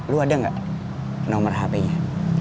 lu ada nggak nomor hp nya